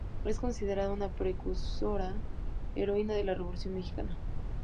Es considerada una precursora y heroína de la Revolución Mexicana.